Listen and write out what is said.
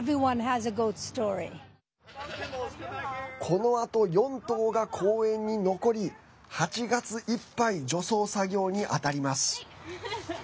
このあと４頭が公園に残り８月いっぱい除草作業に当たります。